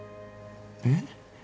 えっ？